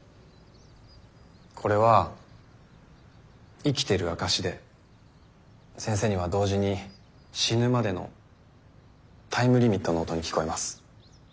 これは生きてる証しで先生には同時に死ぬまでのタイムリミットの音に聞こえます。